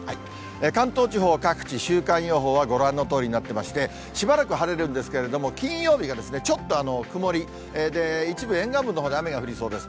関東地方各地、週間予報はご覧のとおりになっていまして、しばらく晴れるんですけれども、金曜日が、ちょっと曇り、一部、沿岸部のほうで雨が降りそうです。